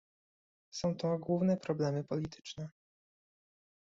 Są to główne problemy polityczne